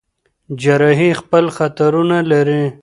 جراحي خپل خطرونه لري.